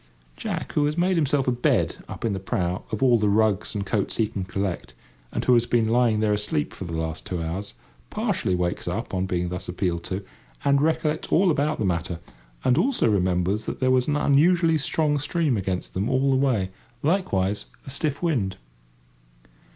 Jack, who has made himself a bed up in the prow of all the rugs and coats he can collect, and who has been lying there asleep for the last two hours, partially wakes up on being thus appealed to, and recollects all about the matter, and also remembers that there was an unusually strong stream against them all the way—likewise a stiff wind.